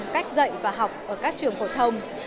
cách dạy và học ở các trường phổ thông